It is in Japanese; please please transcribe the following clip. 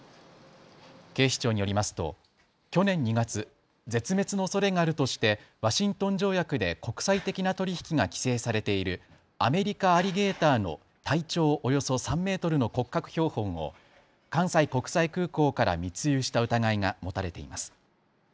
警視庁によりますと去年２月、絶滅のおそれがあるとしてワシントン条約で国際的な取り引きが規制されているアメリカアリゲーターの体長およそ３メートルの骨格標本を関西国際空港から密輸した疑いが持たれています。